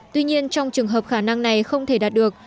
tuy nhiên trong trường hợp khả năng này không thể đạt được